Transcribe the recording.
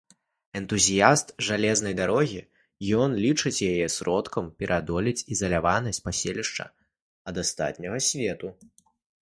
Энтузіяст жалезнай дарогі, ён лічыць яе сродкам пераадолець ізаляванасць паселішча ад астатняга свету.